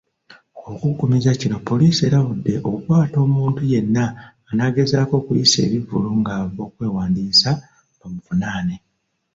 Okuggumiza kino, Poliisi erabudde okukwata omuntu yenna anaagezaako okuyisa ebivvulu ng'ava okwewandiisa bamuvunaane.